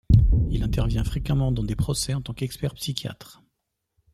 Il intervient fréquemment dans des procès en tant qu'expert psychiatre.